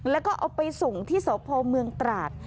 แล้วก็เอาไปส่งที่สพเมืองตราด